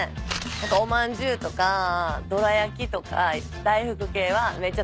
おまんじゅうとかどら焼きとか大福系はめっちゃ食べます。